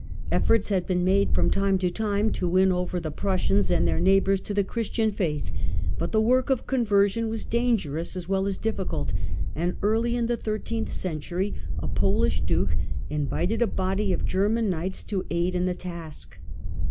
Efforts had been made from time to time to win over the Prussians and their neighbours to the Christian faith, but the work of conversion was dangerous as well as difficult, and early in the thirteenth century a Polish Duke invited a body of German Knights to aid in the task.